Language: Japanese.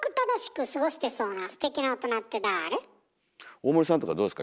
大森さんとかどうですか？